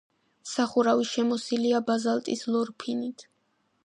სახურავი შემოსილია ბაზალტის ლორფინით.